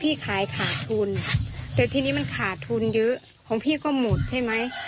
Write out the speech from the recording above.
ขายขาดทุนแต่ทีนี้มันขาดทุนเยอะของพี่ก็หมดใช่ไหม